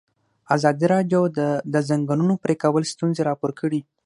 ازادي راډیو د د ځنګلونو پرېکول ستونزې راپور کړي.